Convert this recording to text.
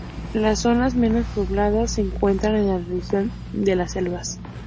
Las zonas menos pobladas se encuentran en la región de las selvas.